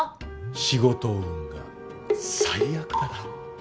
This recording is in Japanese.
仕事運が最悪だな。